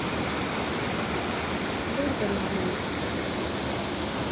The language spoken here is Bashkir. Ҙурҙыр инде ул...